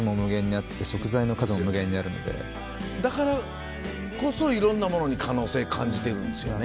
だからこそいろんなものに可能性感じてるんですよね。